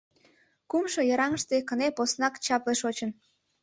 Кумшо йыраҥыште кыне поснак чапле шочын.